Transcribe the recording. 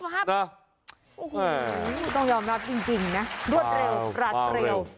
โอ้โหต้องยอมรับจริงนะรวดเร็วรัดเร็ว